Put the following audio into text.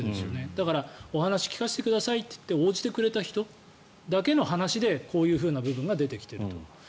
だからお話聞かせてくださいって言って応じてくれた人だけの話でこういう部分が出てきていると。